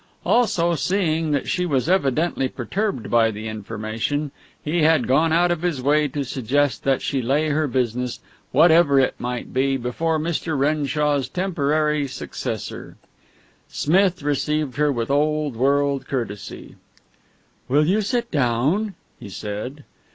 Also, seeing that she was evidently perturbed by the information, he had gone out of his way to suggest that she lay her business, whatever it might be, before Mr. Renshaw's temporary successor. Smith received her with Old World courtesy. "Will you sit down?" he said.